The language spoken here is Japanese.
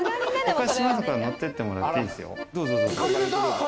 お貸ししますから乗ってってもらっていいですよ。